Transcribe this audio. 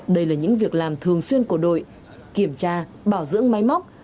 đây là những việc làm thường xuyên của đội kiểm tra bảo dưỡng máy móc